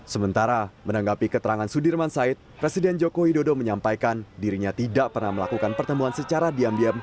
sementara menanggapi keterangan sudirman said presiden joko widodo menyampaikan dirinya tidak pernah melakukan pertemuan secara diam diam